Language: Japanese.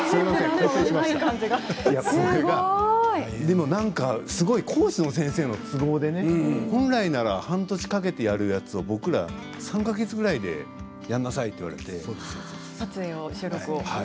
講師の講師の先生の都合で本来なら半年かけてやるものを３か月ぐらいでやりなさいと言われて。